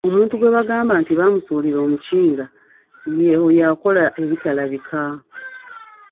Omuntu gwe bagamba nti baamusuulira omukinga y’eyo akola ebitalabika.